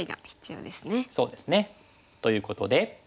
そうですね。ということで。